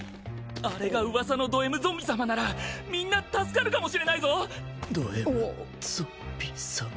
・あれが噂のドＭゾンビ様ならみんな助かるかもしれないぞ・ドＭゾンビ様？